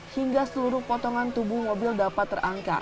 hingga seluruh potongan tubuh mobil dapat terangkat